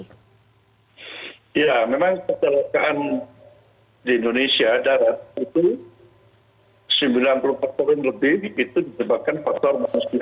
ya memang kecelakaan di indonesia darat itu sembilan puluh empat poin lebih itu disebabkan faktor manusia